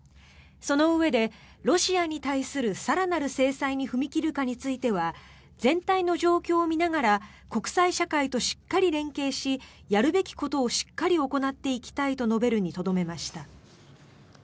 そのうえでロシアに対する更なる制裁に踏み切るかについては全体の状況を見ながら国際社会としっかり連携しやるべきことをしっかり行っていきたいと述べるにとどめました。